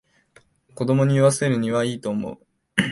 子供に読ませるにはいいと思う